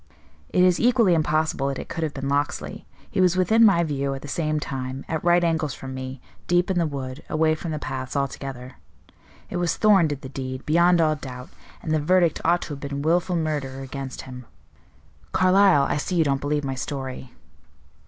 "It is equally impossible that it could have been Locksley. He was within my view at the same time, at right angles from me, deep in the wood, away from the paths altogether. It was Thorn did the deed, beyond all doubt, and the verdict ought to have been willful murder against him. Carlyle, I see you don't believe my story."